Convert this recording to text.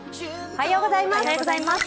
おはようございます。